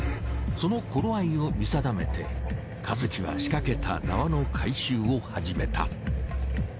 その頃合いを見定めて和喜はしかけた縄の回収を始めた。